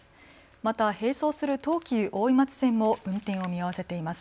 また並走する東急大井町線も運転を見合わせています。